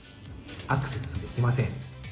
アクセスできません。